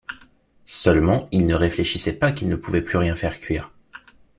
Seulement il ne réfléchissait pas qu’il ne pouvait plus rien faire cuire.